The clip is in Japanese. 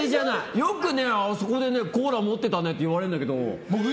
よく、あそこでコーラを持ってたねって言われるんだけど。